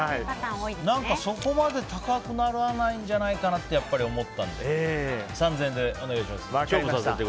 何か、そこまで高くならないんじゃないかなって思ったので３０００円でお願いします。